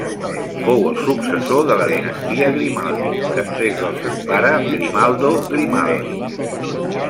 Fou el successor de la dinastia Grimaldi després del seu pare Grimaldo Grimaldi.